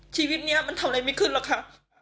ชีวิตนี้มันทำอะไรไม่ขึ้นหรอกค่ะ